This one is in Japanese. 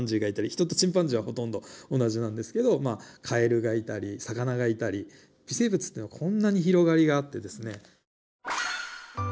ヒトとチンパンジーはほとんど同じなんですけどまあカエルがいたり魚がいたり微生物っていうのはこんなに広がりがあってですね。